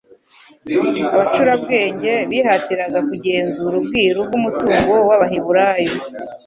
Abacurabwenge bihatiraga kugenzura ubwiru bw'umutungo w'Abaheburayo.